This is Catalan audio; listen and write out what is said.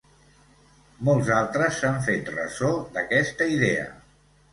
Molts altres s'han fet ressò d'aquesta idea.